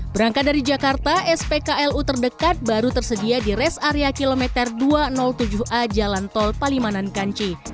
berangkat dari jakarta spklu terdekat baru tersedia di res area kilometer dua ratus tujuh a jalan tol palimanan kanci